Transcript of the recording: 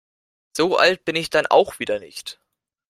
So alt bin ich dann auch wieder nicht.